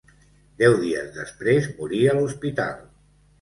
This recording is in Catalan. Deu dies després morí a l'hospital.